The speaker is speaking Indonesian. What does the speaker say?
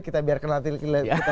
kita biar kenal